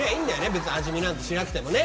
別に味見しなくてもね。